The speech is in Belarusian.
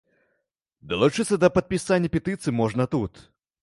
Далучыцца да падпісання петыцыі можна тут.